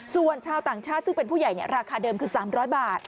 ส่วนชาวต่างชาติซึ่งเป็นผู้ใหญ่เนี่ยราคาเดิมคือสามร้อยบาท